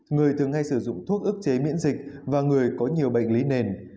người thường hay sử dụng thuốc ức chế miễn dịch và người có nhiều bệnh lý nền